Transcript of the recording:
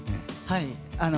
はい。